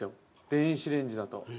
電子レンジだと。